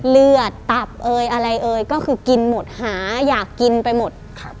เลือดตับเอยอะไรเอ่ยก็คือกินหมดหาอยากกินไปหมด